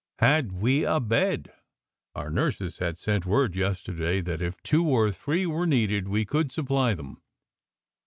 Had we a bed? Our nurses had sent word yesterday that if two or three were needed, we could supply them.